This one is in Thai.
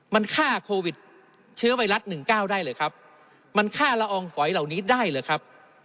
มันฆ่าโควิดเชื้อไวรัสหนึ่งเก้าได้หรือครับมันฆ่าละอองฝอยเหล่านี้ได้หรือครับ